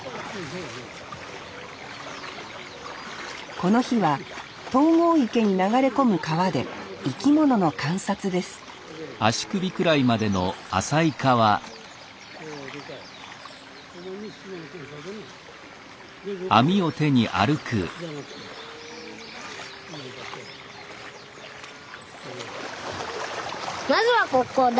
この日は東郷池に流れ込む川で生き物の観察ですまずはここだ。